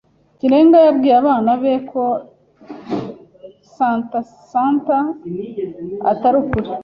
Kirenga yabwiye abana be ko Santa Santa atari ukuri.